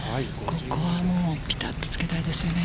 ここはもう、ピタッとつけたいですよね。